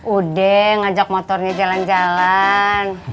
ude ngajak motornya jalan jalan